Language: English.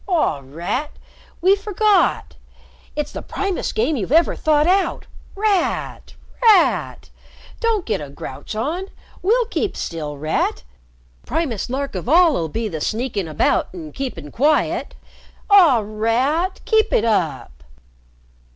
"Aw, Rat! We forgot. It's the primest game you've ever thought out! Rat! Rat! Don't get a grouch on! We'll keep still, Rat! Primest lark of all 'll be the sneakin' about an' keepin' quiet. Aw, Rat! Keep it up!"